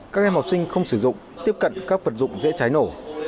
các em học sinh không sử dụng tiếp cận các vật dụng dễ cháy nổ